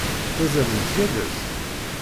Ttazzalent yal ass?